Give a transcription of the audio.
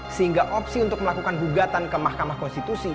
sehingga opsi untuk melakukan gugatan ke mahkamah konstitusi